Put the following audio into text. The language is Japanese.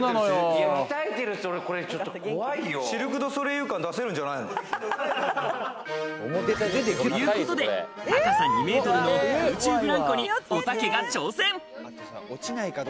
『シルク・ドゥ・ソレイユ』感、出せるんじゃないの？ということで高さ２メートルの空中ブランコに、おたけが挑戦。